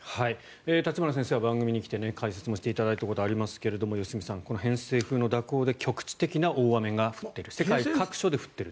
立花先生は番組に来て解説していただいたこともありますが良純さん、この偏西風の蛇行で局地的な大雨が世界各地で起きていると。